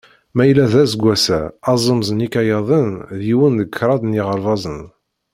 Ma yella d aseggas-a, azemz n yikayaden d yiwen deg kṛaḍ n yiɣerbazen.